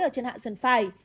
ở trên hạ dần phải